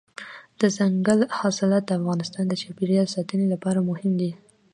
دځنګل حاصلات د افغانستان د چاپیریال ساتنې لپاره مهم دي.